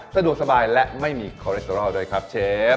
สะดวกสบายและไม่มีคอเล็กเตรอลด้วยครับเชฟ